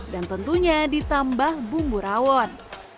dan tentunya ditambah bumbu rawon